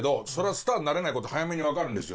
スターになれない事早めにわかるんですよ。